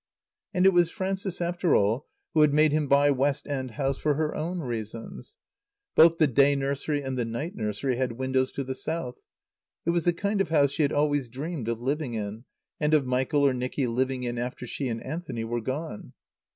And it was Frances, after all, who had made him buy West End House for her own reasons. Both the day nursery and the night nursery had windows to the south. It was the kind of house she had always dreamed of living in, and of Michael, or Nicky living in after she and Anthony were gone.